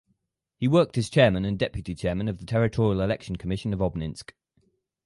He worked as chairman and deputy chairman of the Territorial Election Commission of Obninsk.